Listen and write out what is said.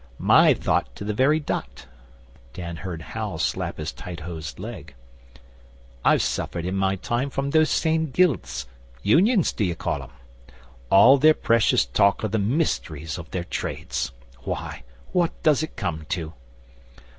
'My thought to the very dot.' Dan heard Hal slap his tight hosed leg. 'I've suffered 'in my time from these same Guilds Unions, d'you call 'em? All their precious talk of the mysteries of their trades why, what does it come to?